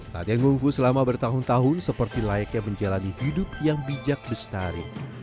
tadengung fu selama bertahun tahun seperti layaknya menjalani hidup yang bijak bestari